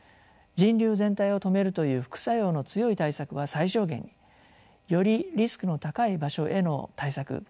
人流全体を止めるという副作用の強い対策は最小限によりリスクの高い場所への対策